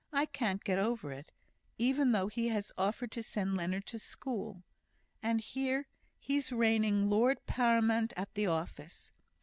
I can't get over it, even though he has offered to send Leonard to school. And here he's reigning lord paramount at the office!